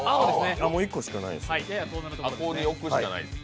もう１個しかないですね。